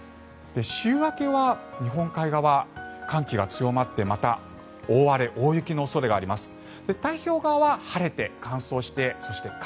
週明けは日本海側寒気が強まってまた大荒れ、大雪の恐れがあります。